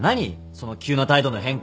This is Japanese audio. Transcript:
その急な態度の変化。